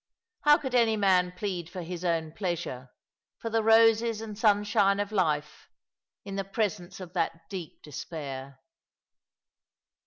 How could any man plead for his own pleasure — for the roses and sunshine of life — in the presence of that deep despair